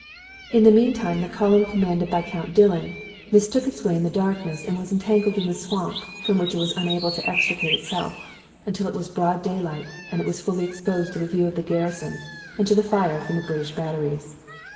In the mean time the column commanded by Count Dillon mistook its way in the darkness and was entangled in the swamp, from which it was unable to extricate itself until it was broad daylight and it was fully exposed to the view of the garrison and to the fire from the British batteries.